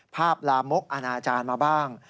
ลามกอนาจารย์มาบ้าง